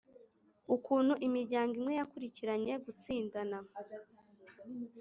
ukuntu imiryango imwe yakurikiranye gutsindana